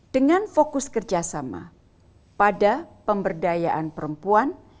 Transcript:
dengan fokus kerjasama pada pemberdayaan perempuan